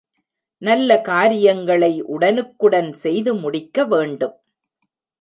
நல்ல காரியங்களை உடனுக்குடன் செய்து முடிக்க வேண்டும்.